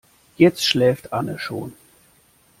Jetzt schläft Anne schon.